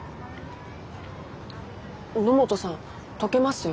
野本さんとけますよ。